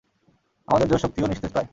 আমাদের জোশ-শক্তিও নিস্তেজ প্রায়।